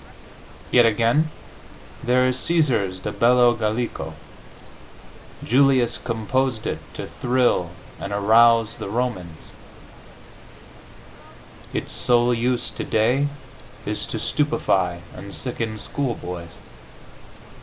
Yet again, there is Caesar's "De Bello Gallico." Julius composed it to thrill and arouse the Romans; its sole use today is to stupefy and sicken schoolboys.